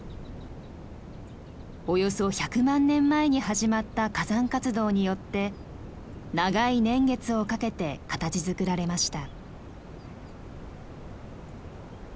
およそ１００万年前に始まった火山活動によって長い年月をかけて形づくられました。